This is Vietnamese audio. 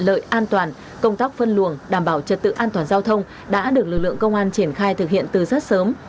lợi an toàn công tác phân luồng đảm bảo trật tự an toàn giao thông đã được lực lượng công an triển khai thực hiện từ rất sớm